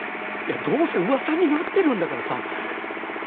どうせうわさになってるんだからさ